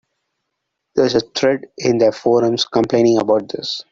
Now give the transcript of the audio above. There's a thread in their forums complaining about this.